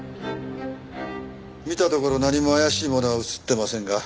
見たところ何も怪しいものは写ってませんが。